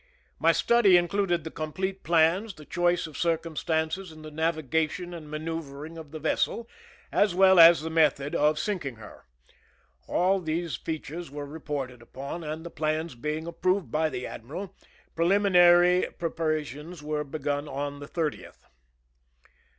My study included the complete plans, the choice of circumstances, and the navigation and manoeu vering of the vessel, as well as the method of sink ing her. All these.features were reported upon, and the plans being approved by the admiral, prelimi nary preparations were begun on the 30th.